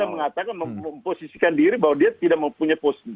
yang mengatakan memposisikan diri bahwa dia tidak mempunyai posisi